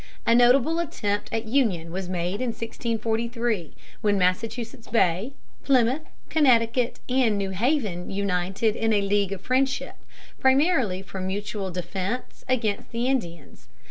A notable attempt at union was made in 1643, when Massachusetts Bay, Plymouth, Connecticut, and New Haven united in a league of friendship, primarily for mutual defense against the Indians.